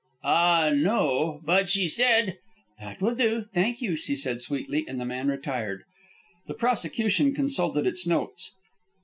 "Aw, no; but she said " "That will do, thank you," she said sweetly, and the man retired. The prosecution consulted its notes.